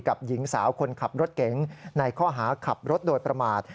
หญิงสาวคนขับรถเก๋งในข้อหาขับรถโดยประมาท